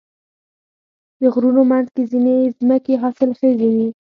د غرونو منځ کې ځینې ځمکې حاصلخیزې وي.